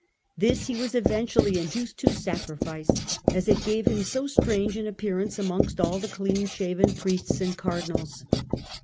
This he was eventually in duced to sacrifice, as it gave him so strange an appear ance amongst all the clean shaven Priests and Cardinals.